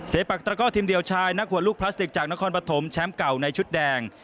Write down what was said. ปักตระก้อทีมเดียวชายนักหัวลูกพลาสติกจากนครปฐมแชมป์เก่าในชุดแดง